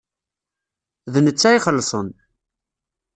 D netta ad ixellṣen.